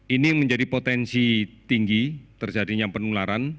ini menjadi potensi tinggi terjadinya penularan